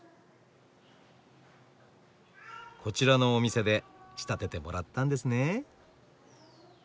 こちらのお店で仕立ててもらったんですね。